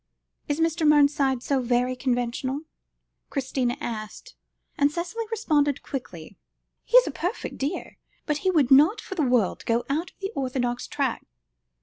"Is Mr. Mernside so very conventional?" Christina asked, and Cicely responded quickly "He's a perfect dear, but he would not for the world go out of the orthodox track.